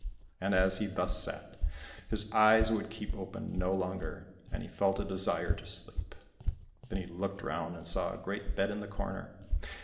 And as he thus sat, his eyes would keep open no longer, and he felt a desire to sleep. Then he looked round and saw a great bed in the corner.